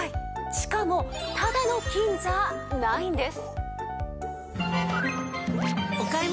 しかもただの金じゃないんです。